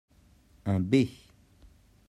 Un b.